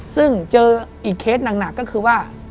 ซึ่งเจออีกเคสหนักก็คือว่า